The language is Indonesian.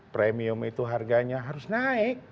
premium itu harganya harus naik